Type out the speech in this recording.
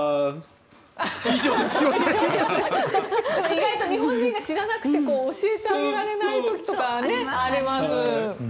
意外と日本人が知らなくて教えてあげられない時とかあります。